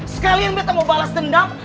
sekalian betamu balas dendam